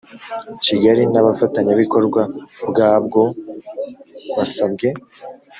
Kigali n abafatanyabikorwa bwabwo basabwe